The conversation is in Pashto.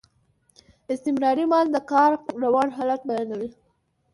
استمراري ماضي د کار روان حالت بیانوي.